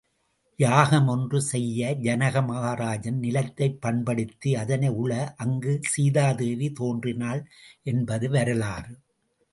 யாகம் ஒன்று செய்ய ஜனக மகாராஜன் நிலத்தைப் பண்படுத்தி அதனை உழ, அங்கு சீதாதேவி தோன்றினாள் என்பது வரலாறு.